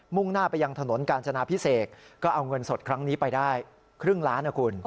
่งหน้าไปยังถนนกาญจนาพิเศษก็เอาเงินสดครั้งนี้ไปได้ครึ่งล้านนะคุณ